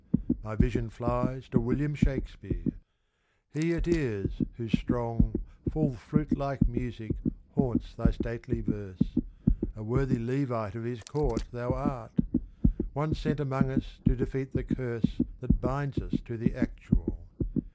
my vision flies To William Shakespeare! He it is whose strong, Full, flute like music haunts thy stately verse. A worthy Levite of his court thou art! One sent among us to defeat the curse That binds us to the Actual.